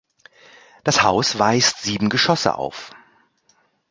Das Haus weist sieben Geschosse auf.